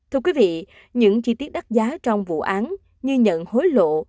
thưa quý vị những chi tiết đắt giá trong vụ án như nhận hối lộ